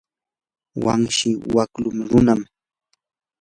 wanshi waklu runam.